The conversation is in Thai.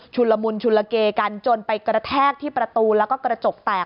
ละมุนชุนละเกกันจนไปกระแทกที่ประตูแล้วก็กระจกแตก